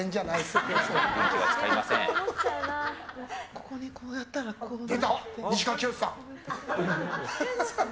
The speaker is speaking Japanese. ここにこうやったらこうなって。